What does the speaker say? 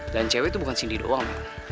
dan cewek tuh bukan cindy doang